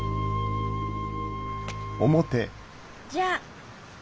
じゃあ。